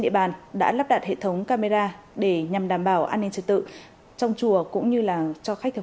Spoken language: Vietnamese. địa bàn đã lắp đặt hệ thống camera để nhằm đảm bảo an ninh trật tự trong chùa cũng như là cho khách thực